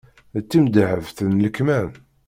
D timdehhebt n lekmam.